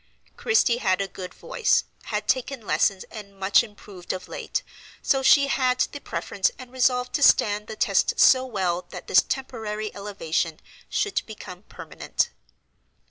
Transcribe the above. Christie had a good voice, had taken lessons and much improved of late, so she had the preference and resolved to stand the test so well that this temporary elevation should become permanent.